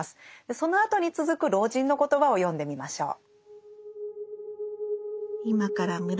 そのあとに続く老人の言葉を読んでみましょう。